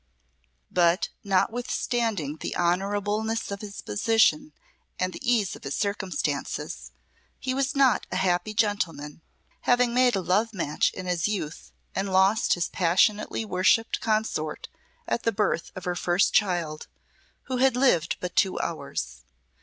But, notwithstanding the honourableness of his position, and the ease of his circumstances, he was not a happy gentleman, having made a love match in his youth, and lost his passionately worshipped consort at the birth of her first child, who had lived but two hours.